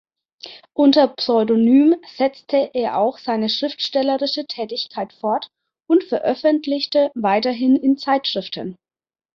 Unter Pseudonym setzte er auch seine schriftstellerische Tätigkeit fort und veröffentlichte weiterhin in Zeitschriften.